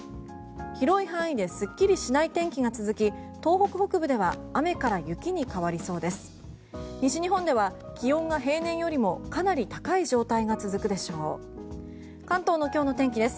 広い範囲ですっきりしない天気が続き東北北部では雨から雪に変わりそうです。